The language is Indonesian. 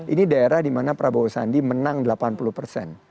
ini daerah di mana prabowo sandi menang delapan puluh persen